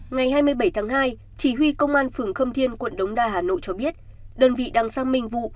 ngày hai mươi bảy tháng hai chỉ huy công an phường khâm thiên quận đống đa hà nội cho biết đơn vị đang xác minh vụ